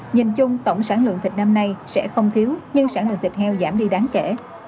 nhìn chung tổng sản lượng thịt năm nay sẽ không thiếu nhưng sản lượng thịt heo giảm đi đáng kể